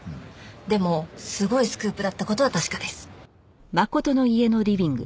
でもすごいスクープだった事は確かです。